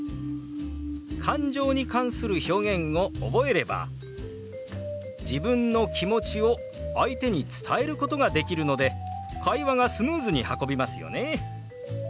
感情に関する表現を覚えれば自分の気持ちを相手に伝えることができるので会話がスムーズに運びますよね。